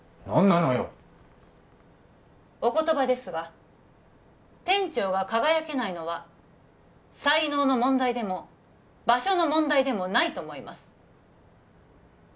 何なのよお言葉ですが店長が輝けないのは才能の問題でも場所の問題でもないと思います